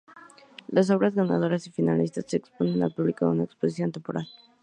Las obras ganadoras y finalistas se exponen al público en una exposición temporal.